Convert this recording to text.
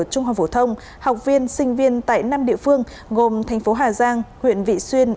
trung học phổ thông học viên sinh viên tại năm địa phương gồm thành phố hà giang huyện vị xuyên